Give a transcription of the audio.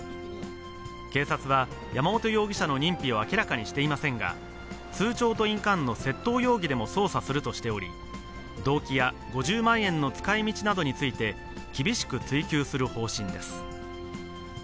警察は山本容疑者の認否を明らかにしていませんが、通帳と印鑑の窃盗容疑でも捜査するとしており、動機や５０万円の使いみちなどについて、厳しく追及する方針です。